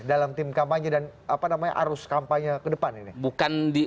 dalam tim kampanye dan arus kampanye ke depan ini